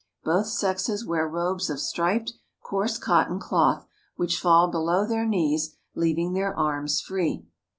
Both sexes wear robes of striped, coarse cotton cloth which fall below their knees, leaving their arms free.